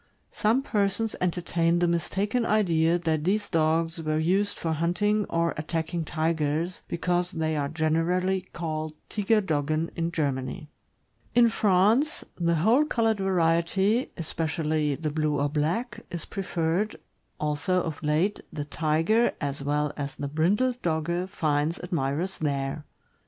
Some persons entertain the mistaken idea that these dogs were used for hunting or attacking tigers, because they are generally called Tiger doggen in Germany. 536 THE AMEEICAN BOOK OF THE DOG. In France, the whole colored variety, especially the blue or black, is preferred, although of late the Tiger as well as the brindled Dogge finds admirers there.